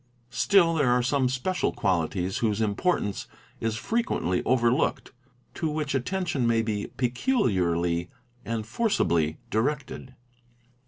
Still there are some special qualities whose importance is frequently overlooked to which attention may be peculiarly and forcibly — directed.